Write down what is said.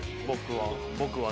僕は。